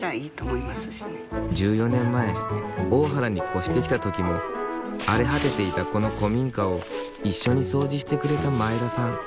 １４年前大原に越してきた時も荒れ果てていたこの古民家を一緒に掃除してくれた前田さん。